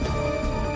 nih ini udah gampang